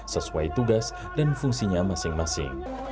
sesuai tugas dan fungsinya masing masing